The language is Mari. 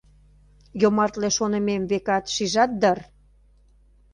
Йомартле шонымем, векат, шижат дыр.